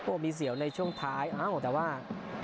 โอ้โหมีเสียวในช่วงท้ายเอ้าแต่ว่า